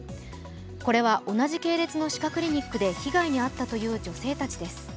これは同じ系列の歯科クリニックで被害に遭ったという女性たちです。